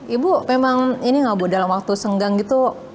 ibu memang ini nggak bu dalam waktu senggang gitu